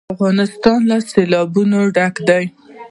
افغانستان له سیلابونه ډک دی.